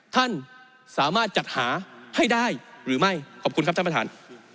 ท่านสามารถจัดหาให้ได้หรือไม่ขอบคุณครับท่านประธาน